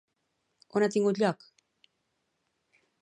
On ha tingut lloc?